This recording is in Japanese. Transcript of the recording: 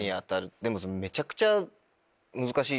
でもめちゃくちゃ難しい？